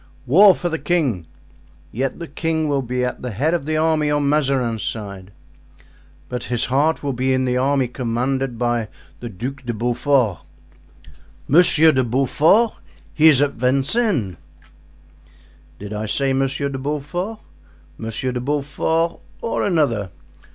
"War for the king." "Yet the king will be at the head of the army on Mazarin's side." "But his heart will be in the army commanded by the Duc de Beaufort." "Monsieur de Beaufort? He is at Vincennes." "Did I say Monsieur de Beaufort? Monsieur de Beaufort or another.